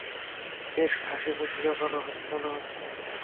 বেশ হাসিখুশি ব্যাপার মনে হচ্ছে।